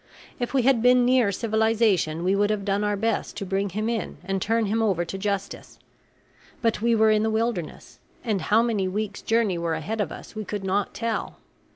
If we had been near civilization we would have done our best to bring him in and turn him over to justice. But we were in the wilderness, and how many weeks' journey were ahead of us we could not tell.